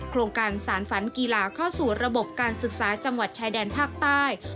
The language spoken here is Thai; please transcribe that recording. โครงการสารฝันกีฬาเข้าสู่ระบบการศึกษาจังหวัดชายแดนภาคใต้